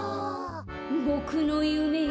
「ボクのゆめ」